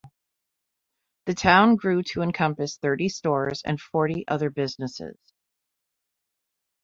The town grew to encompass thirty stores and forty other businesses.